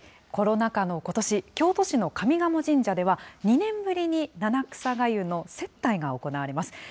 コロナ禍のことし、京都市の上賀茂神社では、２年ぶりに七草がゆの接待が行われます。